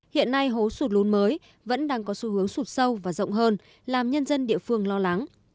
hiện nay hố sụt lún mới vẫn đang có xu hướng sụt sâu và rộng hơn làm nhân dân địa phương lo lắng